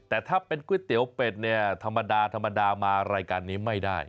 แต่ถ้าเป็นก๋วยเตี๋ยวเป็ดเนี่ยธรรมดาธรรมดามารายการนี้ไม่ได้